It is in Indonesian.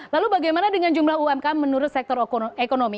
lalu bagaimana dengan jumlah umkm menurut sektor ekonomi